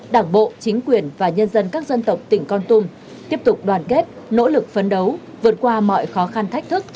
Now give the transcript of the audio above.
đảng bộ chính quyền và nhân dân các dân tộc tỉnh con tum tiếp tục đoàn kết nỗ lực phấn đấu